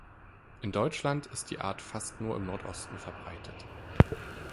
In Deutschland ist die Art fast nur im Nordosten verbreitet.